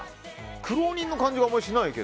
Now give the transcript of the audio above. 苦労人の感じがあんまりしないけど。